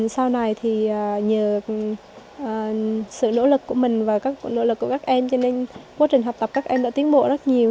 sau này thì nhờ sự nỗ lực của mình và các em cho nên quá trình học tập các em đã tiến bộ rất nhiều